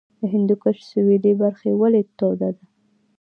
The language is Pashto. د هندوکش سویلي برخه ولې توده ده؟